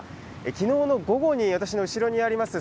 きのうの午後に、私の後ろにあります